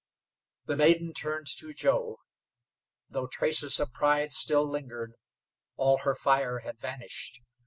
The maiden turned to Joe. Though traces of pride still lingered, all her fire had vanished.